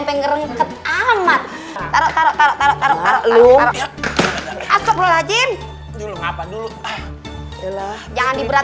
pengen renget amat taruh taruh taruh taruh taruh lu asok lo haji dulu ngapa dulu jangan diberat